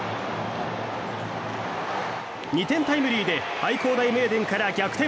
２点タイムリーで愛工大名電から逆転。